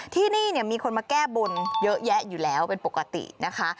ที่นี่มีคนมาแก้บนเยอะแยะอยู่แล้วเป็นปกตินะคะ